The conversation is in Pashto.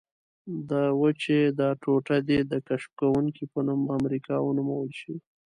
د وچې دا ټوټه دې د کشف کوونکي په نوم امریکا ونومول شي.